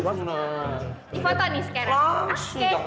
di foto nih sekarang